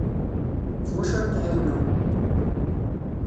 S wacu ara k-ɛiwneɣ?